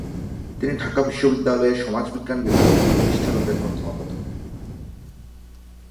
তিনি ঢাকা বিশ্ববিদ্যালয়ের সমাজবিজ্ঞান বিভাগের প্রতিষ্ঠাতাদের মধ্যে অন্যতম।